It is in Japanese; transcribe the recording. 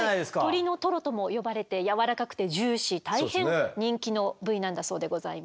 「鶏のトロ」とも呼ばれて軟らかくてジューシー大変人気の部位なんだそうでございます。